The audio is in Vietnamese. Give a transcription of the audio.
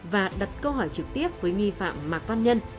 và đặt câu hỏi trực tiếp với nghi phạm mạc văn nhân